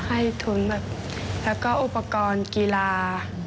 ให้ทุนแบบแล้วก็อุปกรณ์กีฬา